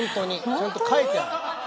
ちゃんと書いてある。